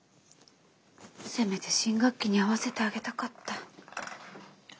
せめて新学期に合わせてあげたかった。